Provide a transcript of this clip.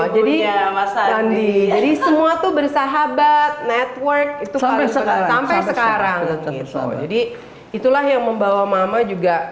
jadi jadi semua tuh bersahabat network itu sampai sekarang jadi itulah yang membawa mama juga